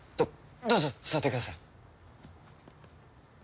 どどうぞ座ってください。